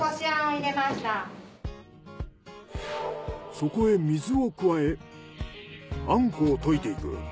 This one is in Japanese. そこへ水を加え餡子を溶いていく。